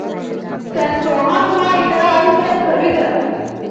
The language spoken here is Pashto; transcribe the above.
ساینسپوهان وايي دا اړیکه قوي ده.